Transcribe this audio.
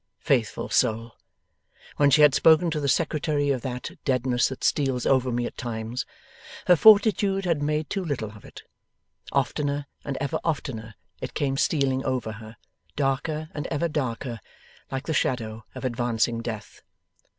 Faithful soul! When she had spoken to the Secretary of that 'deadness that steals over me at times', her fortitude had made too little of it. Oftener and ever oftener, it came stealing over her; darker and ever darker, like the shadow of advancing Death.